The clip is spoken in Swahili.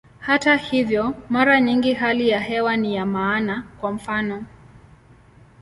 Hata hivyo, mara nyingi hali ya hewa ni ya maana, kwa mfano.